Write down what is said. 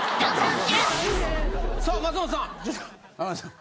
さあ松本さん。